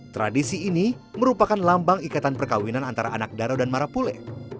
tradisi ini merupakan lambang ikatan perkawinan antara anak daro dan marapule